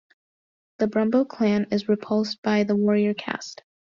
The Brumbo Clan is repulsed by the warrior caste.